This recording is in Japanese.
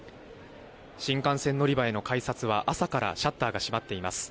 新幹線乗り場への改札は朝からシャッターが閉まっています。